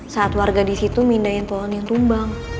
saat warga di situ mindahin pohon yang tumbang